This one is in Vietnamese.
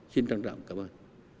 xin trân trọng cảm ơn